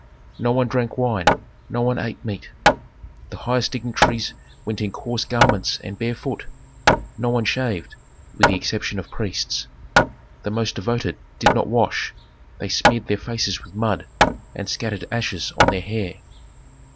No one drank wine, no one ate meat. The highest dignitaries went in coarse garments and barefoot. No one shaved (with the exception of priests); the most devoted did not wash, they smeared their faces with mud, and scattered ashes on their hair.